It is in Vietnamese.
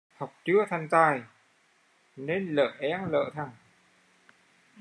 Học chưa thành tài nên lở eng lở thằng